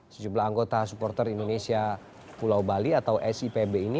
sejumlah anggota supporter indonesia pulau bali atau sipb ini